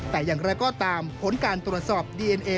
แต่อย่างไรก็ตามผลการตรวจสอบดีเอ็นเอ